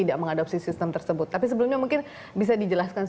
yang harus mereka lindungi laikan